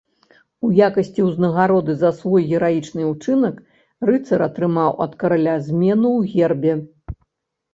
У якасці ўзнагароды за свой гераічны ўчынак рыцар атрымаў ад караля змену ў гербе.